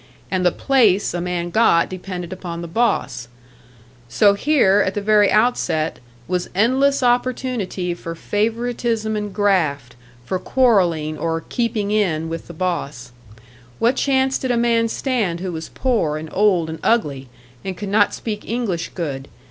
And the "place" a man got depended upon the boss; so here, at the very outset, was endless opportunity for favouritism and graft, for quarrelling, or "keeping in" with the boss. What chance did a man stand who was poor and old and ugly, and could not speak English good?